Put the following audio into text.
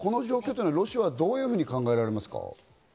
この状況はロシア側はどのように考えられますか？